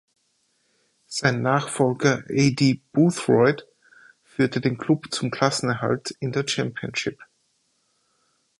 Sein Nachfolger, Aidy Boothroyd, führte den Klub zum Klassenerhalt in der Championship.